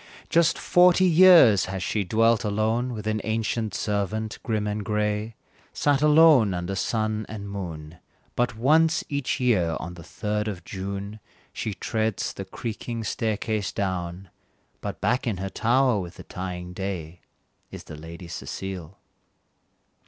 Just forty years has she dwelt alone With an ancient servant, grim and gray, Sat alone under sun and moon; But once each year, on the third of June, She treads the creaking staircase down, But back in her tower with the dying day, Is the Lady Cecile.